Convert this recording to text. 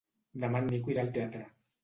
Demà en Nico irà al teatre.